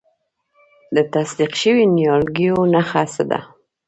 د تصدیق شویو نیالګیو نښه څه ده؟